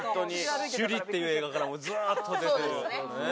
『シュリ』っていう映画からずっと出てる。